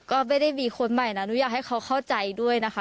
ก็ไม่ได้มีคนใหม่นะหนูอยากให้เขาเข้าใจด้วยนะคะ